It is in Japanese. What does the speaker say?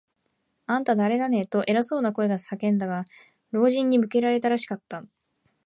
「あんた、だれだね？」と、偉そうな声が叫んだが、老人に向けられたらしかった。